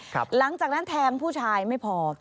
หลังจากนั้นแทงผู้ชายไม่พอ